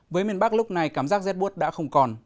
với miền bắc lúc này cảm giác rét bút đã không còn